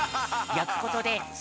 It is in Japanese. やくことです